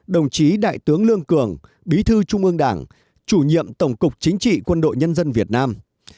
một mươi tám đồng chí đại tướng lương cường bí thư trung ương đảng chủ nhiệm tổng cục chính trị quân đội nhân dân việt nam